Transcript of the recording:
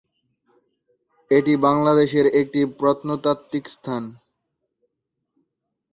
এটি বাংলাদেশের একটি প্রত্নতাত্ত্বিক স্থান।